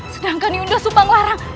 sedangkan yunda sebanglar